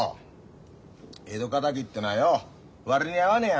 江戸かたぎってのはよ割に合わねえやな。なあ？